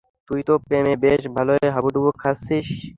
তুই তো প্রেমে বেশ ভালোই হাবুডুবু খাচ্ছিস!